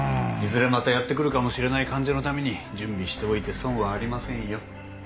いずれまたやって来るかもしれない患者のために準備しておいて損はありませんよ。